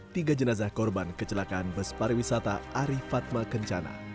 tiga jenazah korban kecelakaan bus pariwisata ari fatma kencana